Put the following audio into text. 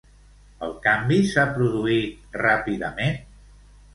El canvi s'ha produït ràpidament?